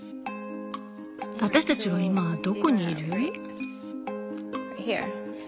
私たちは今どこにいる？